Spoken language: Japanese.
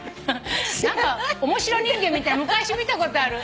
何か面白人間みたいなの昔見たことある。